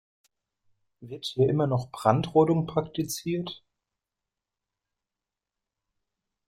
Wird hier immer noch Brandrodung praktiziert?